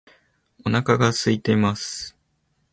お腹が空いています